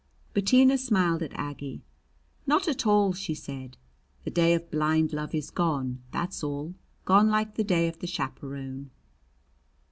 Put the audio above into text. Bettina smiled at Aggie. "Not at all," she said. "The day of blind love is gone, that's all gone like the day of the chaperon."